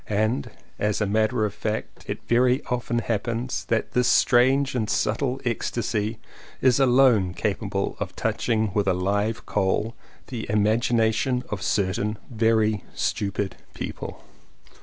And as a matter of fact it very often happens that this strange and subtle ecstasy is alone capable of touching with a live coal the imagination of certain very stupid people.